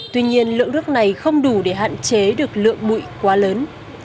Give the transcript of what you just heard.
tuy nhiên lượng nước này không đủ để hạn chế được lượng bụi quá lớn